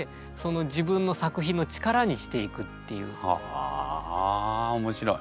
はあ面白い。